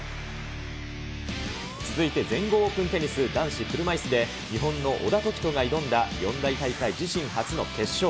続いて全豪オープンテニス男子車いすで日本の小田凱人が挑んだ四大大会自身初の決勝。